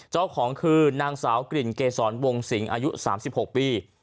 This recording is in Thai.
เจ้าของคือนางสาวกลิ่นเกษรวงสิงอายุ๓๖ปี